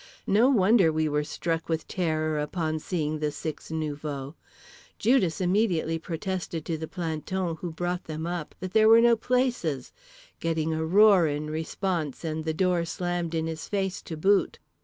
No wonder we were struck with terror upon seeing the six nouveaux. Judas immediately protested to the planton who brought them up that there were no places, getting a roar in response and the door slammed in his face to boot.